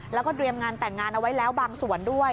แล้วก็เตรียมงานแต่งงานเอาไว้แล้วบางส่วนด้วย